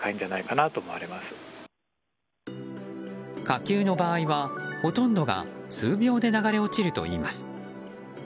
火球の場合は、ほとんどが数秒で流れ落ちるといいます。